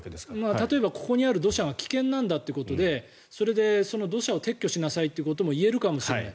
例えば、ここにある土砂が危険なんだということで土砂を撤去しなさいと言えるかもしれない。